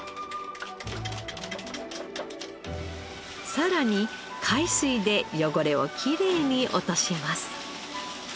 さらに海水で汚れをきれいに落とします。